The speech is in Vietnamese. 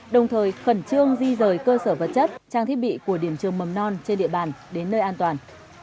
đồng thời khẩn trương di rời cơ sở vật chất trang thiết bị của điểm trường mầm non trên địa bàn đến nơi an toàn